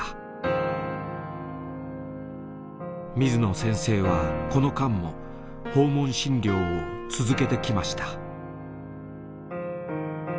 水野先生はこの間も訪問診療を続けてきました。